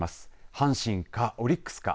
阪神かオリックスか。